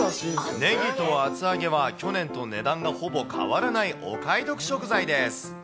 ねぎと厚揚げは去年と値段がほぼ変わらないお買い得食材です。